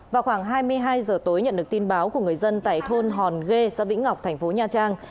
vào khoảng hai mươi hai giờ tối nhận được tin báo của người dân tại thôn hòn ghê xã vĩnh ngọc thành phố nha trang